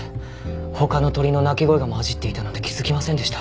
他の鳥の鳴き声が交じっていたなんて気づきませんでした。